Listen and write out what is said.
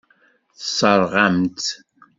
Tessṛeɣ-am-tt.